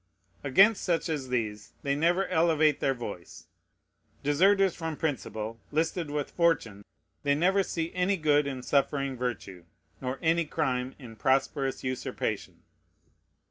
Against such as these they never elevate their voice. Deserters from principle, listed with fortune, they never see any good in suffering virtue, nor any crime in prosperous usurpation.